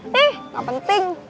nih gak penting